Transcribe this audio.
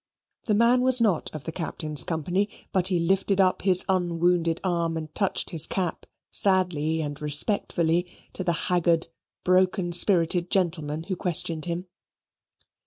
The man was not of the Captain's company, but he lifted up his unwounded arm and touched his cap sadly and respectfully to the haggard broken spirited gentleman who questioned him.